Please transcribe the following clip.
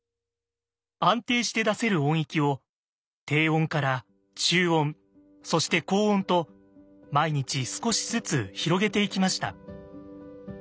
安定して出せる音域を低音から中音そして高音と毎日少しずつ広げていきました。